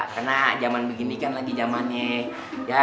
karena zaman begini kan lagi zamannya